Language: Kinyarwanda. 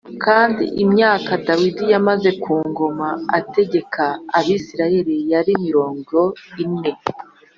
Kandi imyaka Dawidi yamaze ku ngoma ategeka Abisirayeli yari mirongo ine